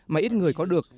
mà ít người có được